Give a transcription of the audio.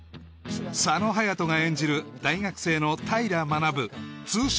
佐野勇斗が演じる大学生の平学通称